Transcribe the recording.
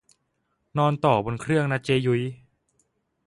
นอนต่อบนเครื่องนะเจ้ยุ้ย